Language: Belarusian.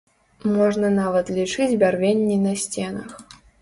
Можна нават лічыць бярвенні на сценах.